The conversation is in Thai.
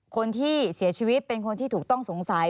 คนที่เสียชีวิตเป็นคนที่ถูกต้องสงสัย